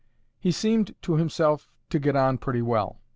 He seemed to himself to get on pretty well.